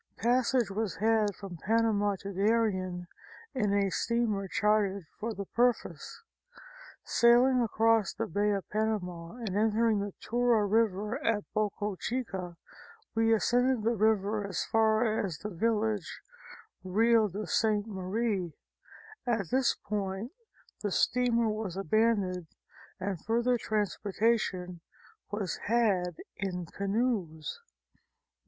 Passage was had from Panama to Darien in a steamer chartered for the purpose. Sailing across the Bay of Panama and entering the Tuyra River at Boca Chica, we ascended the river as far as the village Real de St. Marie. At this point the steamer was abandoned and further transportation was had in canoes.